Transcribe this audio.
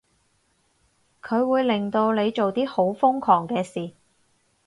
佢會令到你做啲好瘋狂嘅事